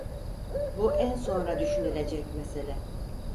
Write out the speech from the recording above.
Bu en sonra düşünülecek mesele.